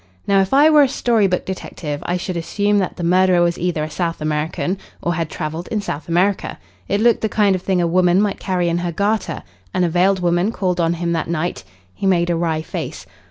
"Now, if I were a story book detective I should assume that the murderer was either a South American or had travelled in South America. It looked the kind of thing a woman might carry in her garter. And a veiled woman called on him that night" he made a wry face.